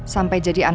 sampai jadi anaknya